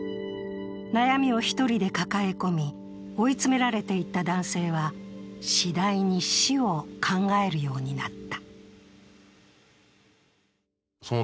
悩みを一人で抱え込み追い詰められていった男性は次第に死を考えるようになった。